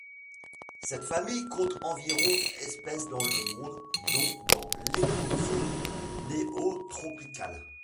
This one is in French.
Cette famille compte environ espèces dans le monde dont dans l'écozone néotropicale.